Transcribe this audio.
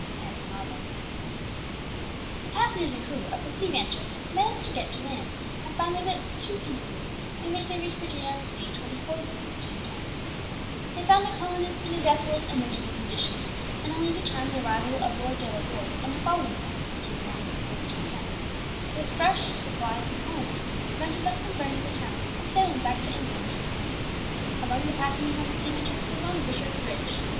ANDREW MARVELL. The passengers and crew of the Sea Venture managed to get to land, and finally built two pinnaces, in which they reached Virginia May 24, 1610. They found the colonists in a desolate and miserable condition, and only the timely arrival of Lord De La Warr in the following month (June 9, 1610), with fresh supplies and colonists, prevented them from burning the town and sailing back to England. Among the passengers on the Sea Venture was one Richard Rich.